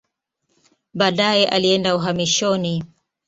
Baadaye alienda uhamishoni.